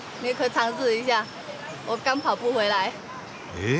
え！？